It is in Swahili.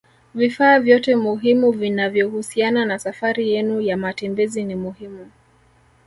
Vifaa vyote muhimu vinavyohusiana na safari yenu ya matembezi ni muhimu